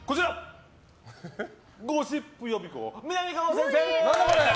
ゴシップ予備校みなみかわ先生！